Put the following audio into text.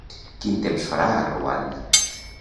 Quin temps farà a Ruanda?